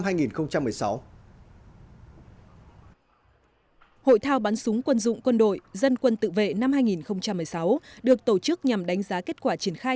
hội thao bắn súng quân dụng quân đội dân quân tự vệ năm hai nghìn một mươi sáu được tổ chức nhằm đánh giá kết quả triển khai